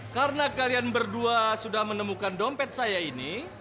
karena kalian berdua sudah menemukan dompet saya ini